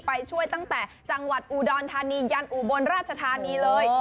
ไปช่วยตั้งแต่จังหวัดอุดรธานียันอุบลราชธานีเลย